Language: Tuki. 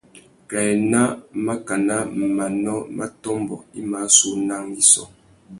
Kā ena màkánà manô mà tômbô i mà sú una angüissô.